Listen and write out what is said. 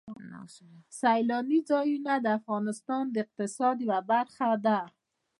سیلاني ځایونه د افغانستان د اقتصاد یوه برخه ده.